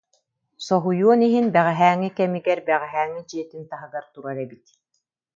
Соһуйуон иһин, бэҕэһээҥҥи кэмигэр, бэҕэһээҥҥи дьиэтин таһыгар турар эбит